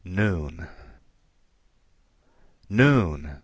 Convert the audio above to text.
Noon Noon!